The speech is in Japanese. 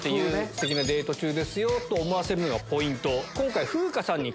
ステキなデート中ですよと思わせるのがポイント。